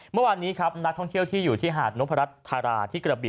เมื่อวานนี้นะท่องเที่ยวที่อยู่ที่หาดนพระรัชฐาละที่กระบี